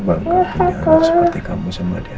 baik mbak terima kasih